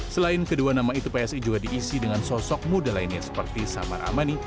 selain kedua nama itu psi juga diisi dengan sosok muda lainnya seperti samar amani